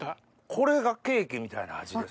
これがケーキみたいな味です。